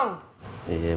harus hoock ya beberapa kali